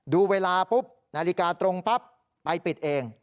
ดูเวลาปุ๊บนาฬิกาตรงปั๊บไปปิดเอง